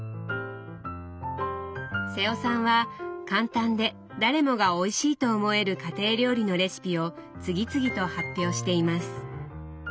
瀬尾さんは簡単で誰もがおいしいと思える家庭料理のレシピを次々と発表しています。